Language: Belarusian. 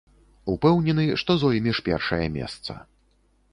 Упэўнены, што зоймеш першае месца.